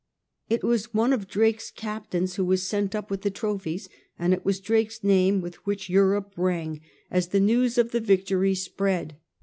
It was one of Drake's captains who was sent up with the trophies, and it was Drake's name with which Europe rang as the news of the victory spread.